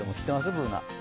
Ｂｏｏｎａ。